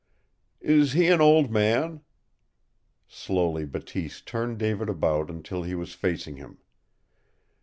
"Is he an old man?" Slowly Bateese turned David about until he was facing him.